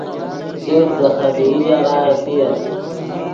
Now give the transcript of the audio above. جفت دے خدیئی ژاغہ ریسییت